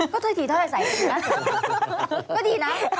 ก็เธอที่เท่าไหร่ใส่เหลียนเงินนะ